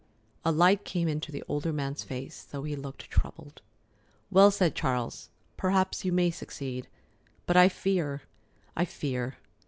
A light came into the older man's face, though he looked troubled. "Well said, Charles! Perhaps you may succeed. But I fear, I fear.